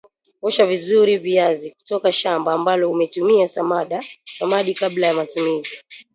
Osha vizuri viazi kutoka shamba ambalo umetumia samadi kabla ya matumizi